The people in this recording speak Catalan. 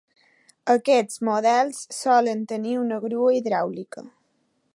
Aquests models solen tenir una grua hidràulica.